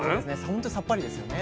本当にさっぱりですよね。